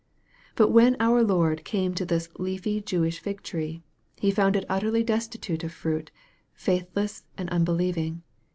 But when our Lord came to this leafy Jewish fig tree, He found it utterly destitute of fruit, faithless and unbelieving.